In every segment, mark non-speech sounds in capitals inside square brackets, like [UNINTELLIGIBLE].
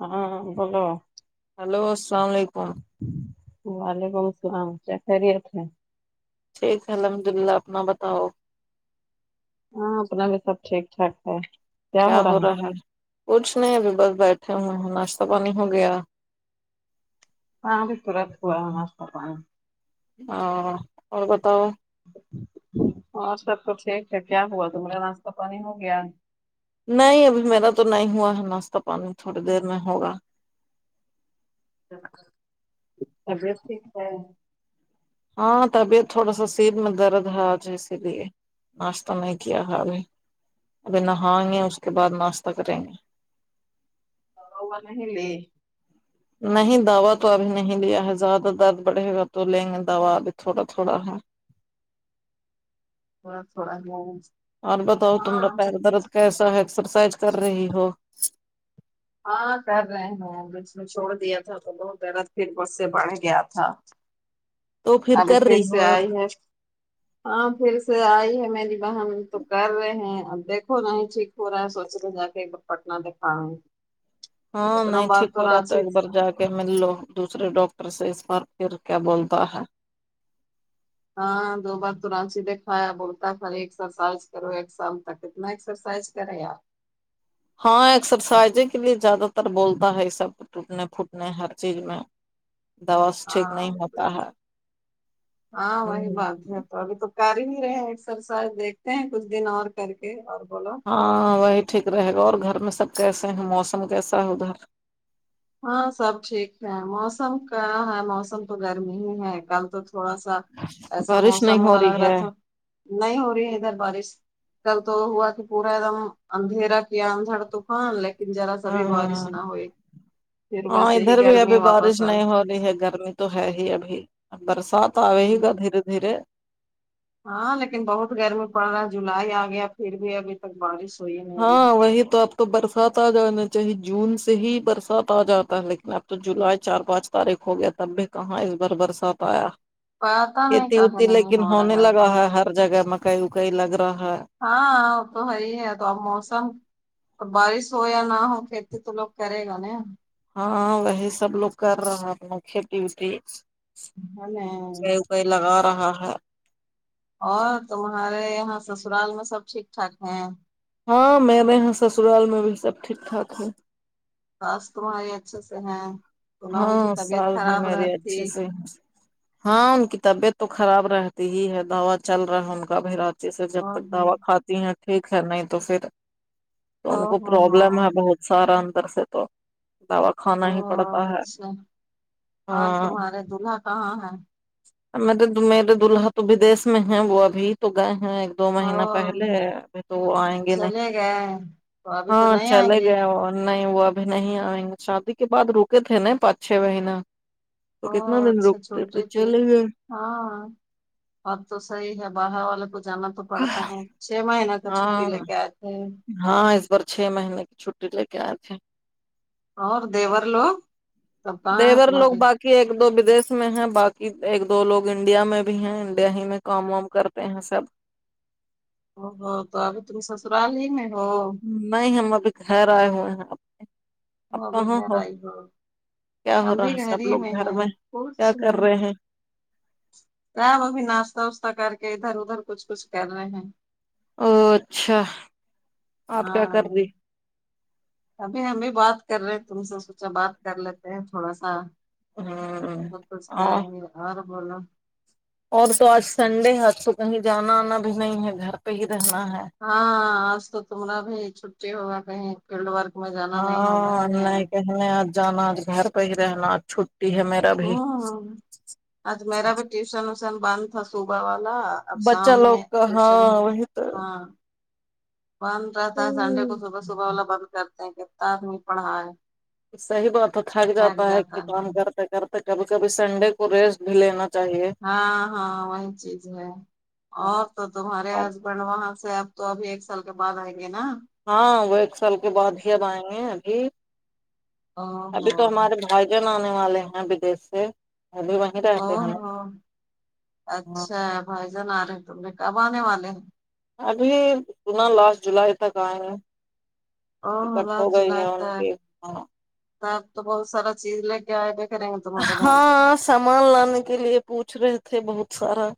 ہاں بولو ہلو السلام علیکم وعلیکم السلام کیا خیریت ہے ٹھیک ہے الحمد اللہ اپنا بتاؤ ہاں اپنا بھی سب ٹھیک ٹھاک ہے کیا ہو رہا ہے کچھ نہیں ابھی بس بیٹھے ہوں ناشتہ پانی ہو گیا ہاں بھی تورت ہوا ناشتہ پانی ہاں اور بتاؤ اور سب تو ٹھیک ہے کیا ہوا تم ہارا ناشتہ پانی ہو گیا نہیں ابھی میرا تو نہیں ہوا ہے ناشتہ پانی تھوڑی دیر میں ہوگا طبیعت ٹھیک ہے ہاں طبیعت تھوڑا سا سیر میں درد ہے آج اسی لیے ناشتہ نہیں کیا ہے ابھی ابھی نہائیں گے اس کے بعد ناشتہ کریں گے دوا ووا نہیں لی نہیں دوا تو ابھی نہیں لیا ہے زیادہ درد بڑھے گا تو لیں گے دوا ابھی تھوڑا تھوڑا ہے تھوڑا تھوڑا [UNINTELLIGIBLE] اور بتاؤ تما ہاں پیر درد کیسا ہے ایکسرسائز کر رہی ہو ہاں کر رہے ہیں اس بیچ میں چھوڑ دیا تھا تو بہت درد پھر اس سے بڑھ گیا تھا تو ابھی کر پھر رہی سے ہو آئی ہے ہاں پھر سے آئی ہے میری بہن تو کر رہے ہیں اب دیکھو نہیں چٹ ہو رہا ہے سوچے کے جا کے ایک دم پٹہ دیکھا رہے ہیں ہاں نہیں ٹھیک ہو رہا تھا ایک بار جا کہ ملو دوسرے ڈاکٹر سے اس بار پھر کیا بولتا ہے ہاں دو بار تو رانچی دھایا بولتا خالی ایکسرسائز کرو ایک سال تک اتنا ایکسرسائز کارے یا ہاں ایکسرسائزیں کے لیے زیادہ تر بولتا ہے سب ٹوٹنے پھوٹنے ہر چیز میں دوا سے ٹھیک نہیں ہاں ہوتا تو- ہے ہاں وہی ہمم بات ہے تو ابھی تو کر ہی رہے ہیں ایکسرسائز دیکھتے ہیں کچھ دن اور کر کے اور بولو ہاں وہی ٹھیک رہے گا اور گھر میں سب کیسے ہیں موسم کیسا ہے ادھر ہاں سب ٹھیک ہے موسم کا ہے موسم تو گرمی ہی ہے کل تو تھوڑا سا ایسا بارش موسم نہیں ہوا ہو لگ رہی رہا ہے تھا نہیں ہو رہی ادھر بارش کل تو ہوا تو پورا ایک دم اندھیرا کیا اندھڑ طوفان ل کن ذرا سا بھی بارش ہاں نہ ہوئی پھر ہاں ویسے ہی ادھر بھی گرمی ابھی واپس بارش آ نہیں ہو ابھی ہے گرمی تو ہے ہی ابھی برسات اۓ گئی گا دھیرے دھیرے ہاں لیکن بہت گرمی پڑ رہا ہے جولائی آ گیا پھر بھی ابھی تک بارش ہوئی نہیں رہی ہاں وہی تو اب تو برسات آ جانا چاہی جون سے ہی برسات آ جاتا ہے لیکن اب تو جولائی چار پانچ تاریخ ہو گیا تب بھی کہاں اس بار برسات آیا پتا نہیں کھیتی کہاں وتی نہیں لیکن ہو ہونے رہا لگا بہت ہے ہر جگہ مکائی وکائی لگ رہا ہے ہاں اب تو وہی ہے تو اب موسم بارش ہو یا نہ ہو کھیتی تو لوگ کرے گا نہ ہاں وہی سب لوگ کر رہا ہے کھیتی وتی ہمیں ئی لگا رہا ہے اور تمہارے یہاں سسرال میں سب ٹھیک ٹھاک ہیں ہاں میرے یہاں سسرال میں بھی سب ٹھیک ٹھاک ہے ساس تمہاری اچھے سے ہیں سنا ان ہاں کی طبیعت ساس بھی خراب میری رہتی اچھے سے ہیں ہاں ان کی طبیعت تو خراب رہتی ہی ہے دوا چل رہا ہے ان کا ابھی جیسے جب او تک ہو دوا کھاتی ہیں ٹھیک ہے نہیں تو پھر تو او ان کو ہو ہو پرابلم ہے بہت سارا اندر سے تو دوا کھا ہاں ا اچھا اور ہاں تمہارے دلہا کہاں ہے مطلب تو میرے دولہا تو ویدیش میں ہیں وہ ابھی تو گئے ہیں دو مہینہ او پہلے ابھی تو وہ آئیں گے نہیں چلے گئے تو ابھی تو ہاں نہیں آئیں چلے گے گئے وہ نہیں وہ ابھی نہیں آئیں گے شادی کے بعد رکے تھے نہ پانچ چھ مہینہ تو او کتنا دن اچھا رکتے تو چھوٹے تھے چلے گئے ہاں بات تو صحیح ہے باہر والے کو جانا تو پڑتا ہے چھ مہینے تب چھٹی ہاں لے کے آتے ہاں اس بار چھ مہینے کی چھٹی لے کے آئے تھے اور دیور لوگ تب کہاں ہے دیور لوگ تمہارے با کہ ایک دو ودیش میں ہیں باقی ایک دو لوگ انڈیا میں بھی ہیں انڈیا ہی میں کام وام کرتے ہیں سب اوہو تو ابھی تم سسرال ہی میں ہو نہیں ہم ابھی گھر آئے ہوئے ہیں ابھی او ابھی گھر ائی ہو کیا ہو ابھی رہا ہے گھر سب ہی لوگ میں گھر ہیں کچھ کیا کر نہیں رہے ہیں رہ وہ بھی ناشہ وشتا کر کے ادھر ادھر کچھ کچھ کر رہے ہیں او اچھا آپ کیا کر ہاں ری ابھی ہم بھی بات کر رہے ہیں تم سے سوچا بات کر لیتے ہیں تھوڑا سا ہوں سب کچھ اور کریں گے اور بولو اور تو آج سنڈے ہے آج تو کہیں جانا آنا بھی نہیں ہے گھر پہ ہی رہنا ہے ہاں آج تو تمارا بھی چھٹی ہوگا کہیں فیلڈ ورک میں جانا نہیں ہوگا ہے نہ ہمیں آج جانا گھر پہ ہی رہنا چھٹی ہے ہم ہاں آج میرا بھی ٹیوشن وسن بند تھا صبح والا اب بچہ شام لوگ میں کا ہاں ٹیوشن ہے وہی تو ہاں بند رہتا ہے سنڈے کو ہوں، صبح صبح والا بند کرتے ہیں کتتا آدمی پڑھا ہے صحیح بات تو تھک جاتا ہے کہ کام کرتے کرتے کبھی کبھی سنڈے کو ریسٹ لینا چاہیے ہاں ہاں وہی چیز ہے اور تو تمہارے ہاں ہسبینڈ وہاں سے اب تو ابھی ایک سال کے باد آئیں گے نہ ہاں وہ ایک سال کے بعد ہی اب آئیں گے ابھی او ابھی ہو تو ہمارے بھائی جان آنے والے ہیں ودیش سے ابھی وہیں او رہتے ہیں ہو نا۔ ہاں اچھا بھائی جان آ رہے ہیں تم نے کب آنے والے ہیں ابھی سنا لاسٹ جولائی تک آئیں گے او ٹکٹ ہو گئی ہیں ان کے ہاں ت آپ تو بہت سارا چیز لے کے آئے بھیئے کریں گے تمہارے بھائی ج ہاں سامان لانے کے لیے پوچھ رہے تھے بہت سارا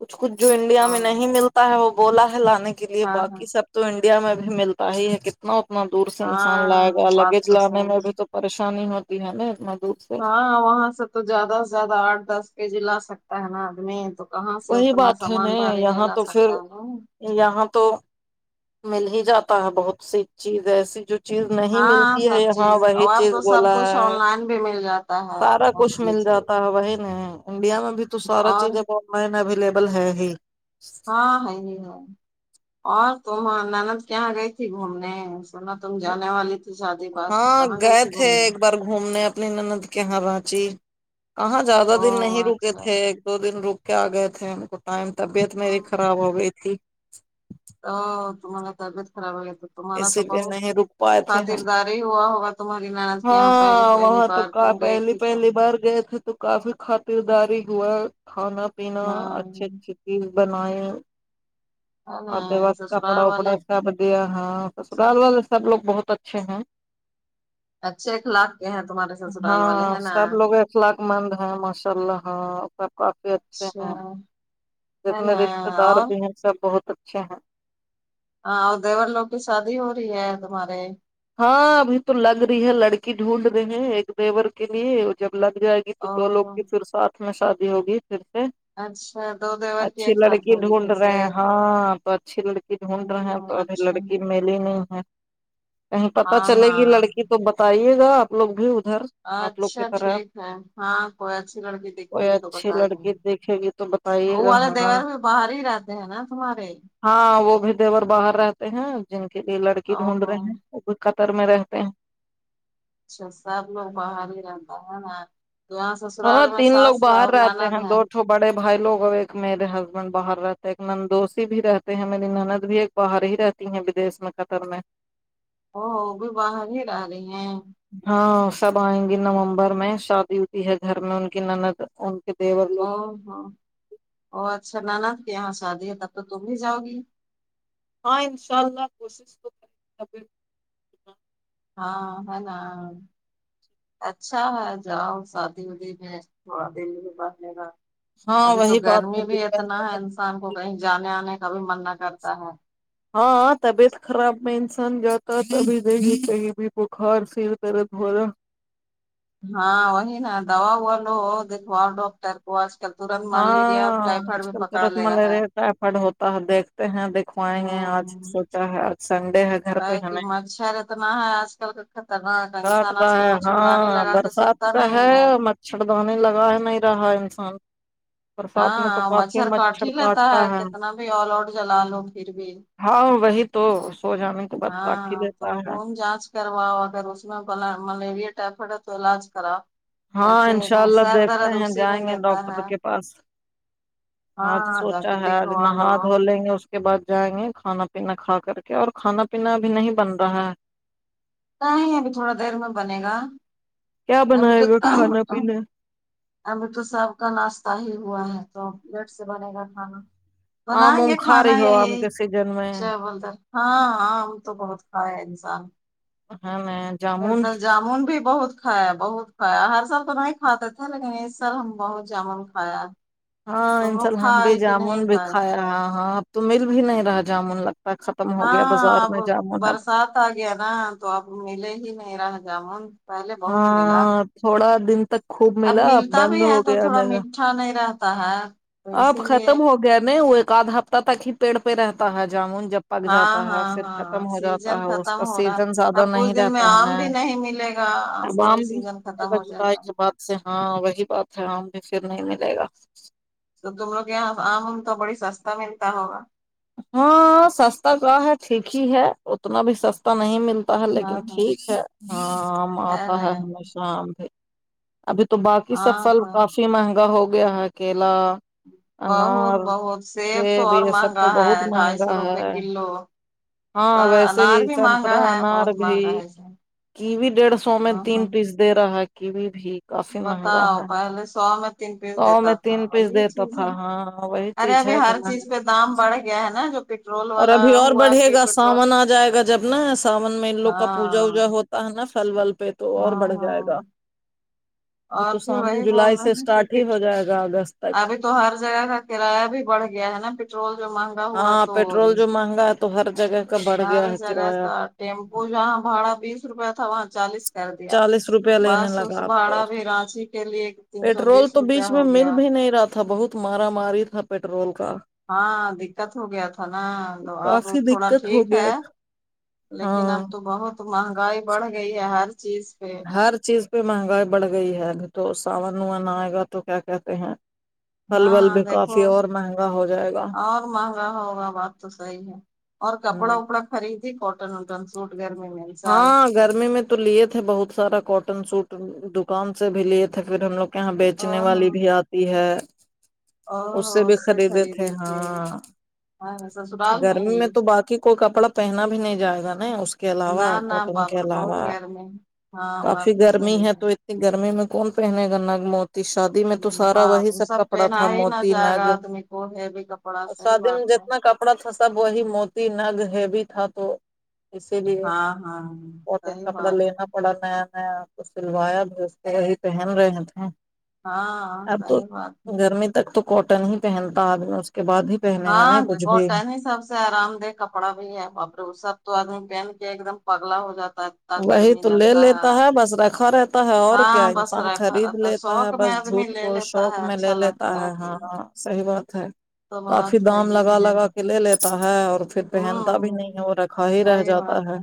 کچھ کچھ جو انڈیا ہاں میں نہیں مل تا وہ بولا ہے لانے کے لیے ہاں ہاں باقی سب تو انڈیا میں بھی ملتا ہی ہے ک ا اتنا دور سے انسان لائے ہاں گا بات لگیج تو لانے صحیح میں بھی ہے تو پریشانی ہوتی ہے نا اتنا دور سے ہاں وہاں سے تو زیادہ سے زیادہ آٹھ دس کے جی لا سکتا ہے نا آدمی تو کہاں سے وہی اتنا بات ہے نا سامان بھاری نہیں یہاں لا تو پھر سکتا یہاں تو مل ہی جاتا ہے بہت سی چیز ایسی جو چیز نہیں ہاں ملتی ہے سب یہاں چیز وہی اور اب چیز تو سب بولا کچھ آن ہے لائن بھی مل جاتا ہے سارا کچھ موسٹلی مل چیز جاتا وہی نہیں انڈیا میں بھی تو سارا اور چیز ا آن لائن اویلیبل ہے ہی ہاں ہے جی ہے اور تماں ناند کہاں گئی تھی گھومنے سنا تم جانے والی شادی بات ہاں کہاں گئی گئے تھی تھے گھومنے ایک بار گھومنے اپنی نند کے یہاں رچی کہاں زیادہ او دن نہیں رکے تھے دو دن رک کے آ گئے تھے ہم کو ٹائم طبیعت میری خراب ہو گئی تھی ا تمہارا طبیعت خراب ہو گیا تو تمہارا تو اسی لیے بہت نہیں رک پائے تھے ہم خاطرداری ہوا ہوگا تمہاری ناند کے یہاں پہلے ہاں پہلی وہاں تو بار تم کا گئی پہلی تھی تب پہلی بار گئے تھے تو کافی خاطرداری ہوا کھانا پینا ہاں اچھی اچھی چیز بنائے ہے نا آتے وقت کپڑا سسرال وپڑا والے سب دیا ہے سسرال والے سب لوگ بہت اچھے ہیں اچھے اخلاق کے ہیں تمہارے سسرال والے ہاں ہے نا سب لوگ اخلاق مند ہیں ماشاء اللہ ہاں سب کافی اچھے اچھا ہیں اس ہے میں نا رشتے دار اور بھی ہیں سب بہت اچھے ہیں ہاں اور دیور لوگ کی شادی ہو رہی ہے تمہارے ہاں ابھی تو لگ رہی ہے لڑکی ڈھونڈ رہے ہیں ایک دیور کے لیے اور جب لگ جائے تو دو لوگ اور کی پھر ساتھ میں شادی ہوگی پھر سے اچھا دو کی اچھی ایک ساتھ لڑکی ہوگی ڈھونڈ پھر رہے سے ہیں ہاں تو اچھی لڑ ابھی ڈھونڈ رہے ہیں تو ہوں ابھی اچھا لڑکی ملی نہیں ہے کہیں پتہ ہاں چلے گی ہاں لڑکی تو بتائیے گا آپ لوگ بھی ادھر آپ لوگ اچھا کی طرف ٹھیک ہے ہاں کوئی اچھی لڑکی دکھے کوئی گی تو اچھی بتائے لڑکی دیکھیں گے تو بتائی وہ والے دیور بھی باہر ہی رہتے ہیں نا تمہارے ہاں وہ بھی دیور باہر رہتے ہیں جن کے لیے لڑکی او ڈھونڈ ہو رہے ہیں وہ بھی قطر میں رہتے ہیں اچھا سب لوگ باہر ہی رہتا ہے نا تو یہاں سسرال ہاں میں تین ساس لوگ ہے باہر اور رہتے نند ہیں ہے دو ٹھو بڑے بھائی لوگ ہے ایک میرے ہسبینڈ باہر رہتے ہیں ایک ندوسی بھی رہتے ہیں میری نند بھی ایک باہر ہی رہتی ہیں بدیش میں قطر میں ا وہ بھی باہر ہی رہ رہی ہیں ہاں سب آئیں گی نومبر میں شادی ہوتی ہے گھر میں ان کی نند ان کے دیور لوگ او ہو ؤ اچھا نند کے یہاں شادی ہے تب تو تم بھی جاؤ گی ہاں ان شاء اللہ کوشش یا پھر ہاں ہے نا اچھا ہے جاؤ شادی ودی میں تھوڑا دل بھی بہلے گا ہاں ابھی تو وہی بات گرمی ہے بھی دل اتنا ہے انسان کو پہ کہیں جانے آنے کا بھی من نہ کرتا ہو ہاں ہاں طبیعت خراب میں انسان جاتا تبھی دیکھی کہیں بھی بخار سر درد ہو رہا ہاں وہی نا دوا ووا لو دکھاو اور ڈاک ٹر کو آج کل ترنت ملیریا ٹائفائڈ بھی پکڑلے رہا ہے فٹا فٹ ہوتا ہے دیکھتے ہیں دکھوائیں گے آج سوچا ہے آج سنڈے ہے گھر پہ ہ کہ ہمیں مچھر اتنا ہے آج کل کا خطرناک کاٹ انسان آج رہا کل ہے مچھردانی ہاں لگا کے برسات سوتا کا نہیں ہے مچھر دانی لگا ہی نہیں رہا ہے انسان برسات میں ہاں تو کافی مچھر کاٹ ہی لیتا کاٹتا ہے کتنا بھی آل آؤٹ جلا لو پھر بھی ہاں وہی تو سو جانے کے بعد ہاں کاٹ ہی ہاں تو لیتا ہے خون جانچ کرواؤ اگر اس میں ملیر ملیریا ٹائفائڈ ہے تو علاج کراؤ ہاں ایسے انشاءاللہ سر دیکھتے درد ہیں اسی میں جائیں گے دیتا ڈاکٹر ہے کے پاس آج ہاں جا کے سوچا ہے آج دکھوا نہا لو دھولیں گے اس کے بعد جائیں گے کھانا پینا کھا کر کے اور کھانا پینا ابھی نہیں بن رہا ہے کہاں ہے ابھی تھوڑا دیر میں بنے گا کیا ابھی تو بنائے گا کھانا ه پینا ابھی تو سب کا ناشتہ ہی ہوا ہے تو لیٹ سے بنے گا کھانا آم بنائیں وم گے کھا کھانا رہی ہو یہی آم کے سیزن میں اچھا بولتا ہاں ہاں وہ تو بہت کھایا ہے انسان ہاں میں ایسا جامن بھی بہت کھایا بہت کھایا ہر سال تو نہیں کھاتے تھے لیکن اس سال ہم بہت جامن کھایا ہاں تم لوگ انشاءاللہ ہم بھی کھائے کہ جامن نہیں بھی کھائے کھایا رہا ہاں اب تو مل بھی نہیں رہا جامن لگتا ہے خت ہاں ہاں اب برسات آ گیا نا تو اب ملے ہی نہیں رہا جامن پہلے ہاں بہت ملا ہاں تھوڑا دن تک خوب ملا اب ملتا بند بھی ہو ہے تو گیا تھوڑا ملنا میٹھا نہیں رہتا ہے تو اب اسی ختم لیے ہو نہیں وہ ایک آدھ ہفتہ تک ہی پیڑ پہ رہتا ہے جامن جب م پک ہاں جاتا ہے ہاں پھر ہاں ختم ہو جاتا سیزن ہے اس ختم کا ہو رہا سیزن زیادہ اب کچھ نہیں دن میں رہتا ہے آم نے بھی نہیں ملے گا اب کا آم بھی سیزن میلے ختم گا ہو جائے جولائی کے بعد ہاں وہی بات ہے آم بھی پھر نہیں ملے گا تو تم لوگ کے یہاں آم ام تو بڑی سستا ملتا ہوگا ہاں سستا کہاں ہے ٹھیک ہی ہے اتنا بھی سستا نہیں مل تا ہے ہاں لیکن ٹھیک ہے آم آتا ارے ہے ہمیشہ آم بھی ابھی تو باقی سب ہاں پھل تو کافی مہنگا ہو گیا ہےکیلا بہت انار بہت تو سیب اور یہ سب مہنگا تو بہت ہے ڈھائی سو مہنگا روپے ہے کلو تو ہاں ویسے انار یہ بھی مہنگا سنترہ ہے انار بہت بھی مہنگا ہے سب کیوی ڈیڑھ سو میں ہاں تین ہاں پیس دے رہا ہے کیوی بھی کافی مہنگا بتاؤ ہے پہلے سو میں تین پیس سو دیتا میں تھا تین پیس وہی دیتا چیز تھا ہے ہاں وہی ارے چیز ابھی ہے ہر زمانے چیز پہ دام سے بڑھ گیا ہے نا جو پیٹرول اور والا ابھی اور ہوا بڑھے کہ گا پیٹرول ساون آجائے گا جب نا ساون میں ان لوگ کا پوجا ہاں وجا ہو تا ہے نا پھل ول پہ تو اور ہاں بڑھ ہاں جائے گا ابھی تو اور پھر سامن وہی بول جولائی سے رہے اسٹارٹ ہیں ہی [UNINTELLIGIBLE] ہو جائے گا اگست تک ابھی تو ہر جگہ کا کرایہ بھی بڑھ گیا ہے نا پٹرول جو مہنگ ہاں پٹرول جو مہنگا ہے تو ہر جگہ کا بڑھ گیا ہر ہے جگہ کرایہ کا ٹیمپو جہاں بھاڑا بیس روپیہ تھا وہاں چالیس کردیا چالیس روپیہ لینے بس لگا اس اب تو بھاڑا بھی رانچی کے لیے تین سو پیٹرول بیس تو روپیہ بیچ میں ہو مل گیا بھی نہیں رہا تھا بہت مارا ماری تھا پٹرول کا ہاں دقت ہوگیا تھا نا تو اب کافی تھوڑا دقت ہو ٹھیک گیا ہے تھا۔ لیکن اب ہاں تو بہت مہنگائی بڑھ گئی ہے ہر چیز پہ ہر چیز پہ مہنگائی بڑھ گئی ہے ابھی تو ساون واون آئے گا تو کیا کہتے ہیں ہل ول بھی ہاں کافی دیکھو اور مہنگا ہو جائے گا اور مہنگا ہوگا بات تو صحیح ہے اور کپڑا اپڑا خریدی کاٹن انٹم سوٹ گرمی میں اس سال ہاں گرمی میں تو لیے تھے بہت سارا کوٹن سوٹ دکان سے بھی لیے تھے پھر ہم لوگ کہاں بیچنے ہاں والی ہاں بھی آتی ہے اس سے بھی خریدے تھے ہاں ہاں سسرال گرمی ہی میں تو باقی کوئی کپڑا پہنا بھی نہیں جائے گا نا اس کے کے علاوہ نہ نہ کاٹن باپ کے رے بہت علاوہ گرمی ہے ہاں بات کافی تو گرمی صحیح ہے تو گرمی میں کون پہننے گا کا موس شادی میں تو سارا وہی باپ وہ سب کپڑا پہنا تھا ہی نہ موتی جائے نگ گا آدمی کو ہیوی کپڑا اور صحیح شادی میں بات ہے جتنا کپ ڑا تھا سب وہی موتی نگ ہیوی تھا تو اسی لیے ہاں ہاں اور صحیح کپڑا بات لینا بڑا نیا نیا کچھ سلوایا بھی اس کے پہن رہے تھے ہاں اب تو صحیح بات ہے گرمی تک تو کاٹن ہی پہنتا آدمی اس کے بعد ہی پہنے گا ہاں کچھ بھی کاٹن سب سے آرام دہ کپڑا بھی ہے بپے سب تو آدمی پہن کے ایک دم پگلا ہو جاتا ہے وہی گرمی تو لے لگتا لیتا ہے بس رکھا رہتا ہے اور کیا ہاں بس انسان رکھا خرید رہتا لے تا ہے شوق میں بس آدمی جھوٹ لے کو لیتا شوق ہے میں لے اچھا لگتا لیتا ہے ہاں تو صحیح بات ہے تو کافی بات ہے دام ہی لگا ہے لگا کے لے لیتا ہے اور پھر پہنتا بھی ہوں نہیں ہے وہ رکھا ہی رہ صحیح جاتا بات ہے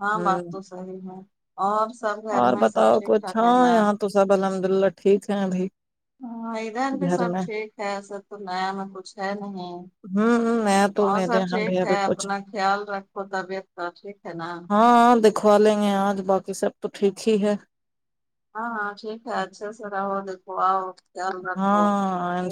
ہاں بات ہوں تو صحیح ہے اور سر گھر اور میں سب بتاؤ ٹھیک ٹھاک کچھ ہے ہاں نا یہاں تو سب الحمد للہ ٹھیک ہیں ابھ ہاں ادھر بھی سب ٹھیک ہے ای سب تو نیا میں کچھ ہے نہیں ہمم میں تو اور میرے سب ٹھیک ہے [UNINTELLIGIBLE] کچھ اپنا خیال رکھو طبیعت کا ٹھیک ہے نا ہاں دکھوا لیں گے آج باقی سب تو ٹھیک ہی ہے ہاں ہاں ٹھیک ہے اچھا سے رہو آو دیکھو آؤ خیال رکھو ٹھیک ہاں ہے۔